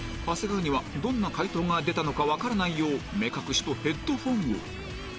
長谷川にはどんな解答が出たのかわからないよう目隠しとヘッドホンを